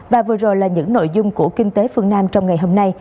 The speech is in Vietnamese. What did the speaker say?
và vừa rồi là những nội dung của kinh tế phương nam trong ngày hôm nay